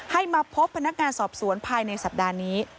ให้มาพบพนักงานสอบสวนภายในสัปดาห์นี้